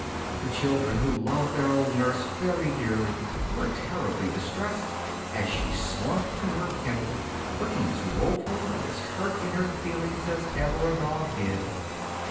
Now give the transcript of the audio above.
The children, who loved their old nurse very dearly, were terribly distressed as she slunk to her kennel, looking as woeful and as hurt in her feelings as ever a dog did.